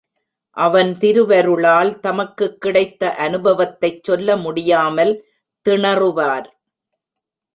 அவன் திருவருளால் தமக்குக் கிடைத்த அநுபவத்தைச் சொல்ல முடியாமல் திணறுவார்.